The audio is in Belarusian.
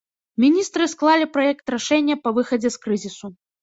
Міністры склалі праект рашэння па выхадзе з крызісу.